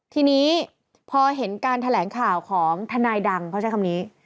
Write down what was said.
ทีนี้พอเห็นการแถลงข่าวของทนายดังเขาใช้คำนี้